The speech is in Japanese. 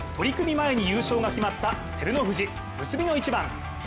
前に優勝が決まった照ノ富士結びの一番。